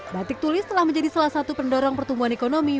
batik tulis telah menjadi salah satu pendorong pertumbuhan ekonomi